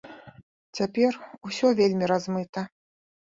Цяпер усё вельмі размыта.